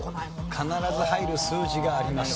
必ず入る数字があります。